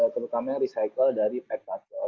terutama yang recycle dari pet bottle